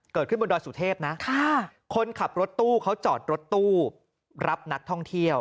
เกิดขึ้นบนดอยสุเทพนะคนขับรถตู้เขาจอดรถตู้รับนักท่องเที่ยว